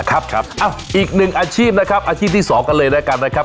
ครับอีกหนึ่งอาชีพนะครับอาชีพที่๒กันเลยแล้วกันนะครับ